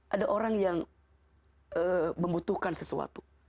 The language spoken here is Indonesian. ada orang yang membutuhkan sesuatu